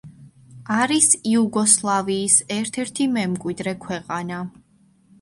არის იუგოსლავიის ერთ-ერთი მემკვიდრე ქვეყანა.